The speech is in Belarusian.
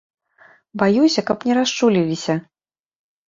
Баюся, каб не расчулілася.